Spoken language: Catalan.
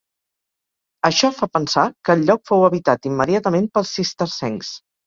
Això fa pensar que el lloc fou habitat immediatament pels cistercencs.